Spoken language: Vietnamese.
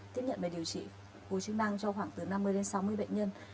tiếp nhận và điều trị hồi chức năng cho khoảng từ năm mươi đến sáu mươi bệnh nhân